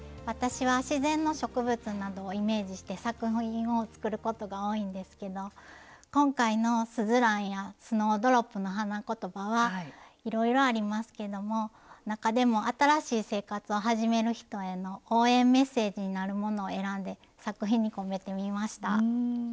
私は自然の植物などをイメージして作品を作ることが多いんですけど今回のスズランやスノードロップの花言葉はいろいろありますけども中でも新しい生活を始める人への「応援メッセージ」になるものを選んで作品に込めてみました。